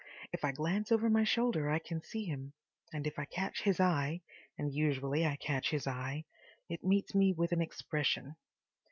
If I glance over my shoulder I can see him. And if I catch his eye—and usually I catch his eye—it meets me with an expression.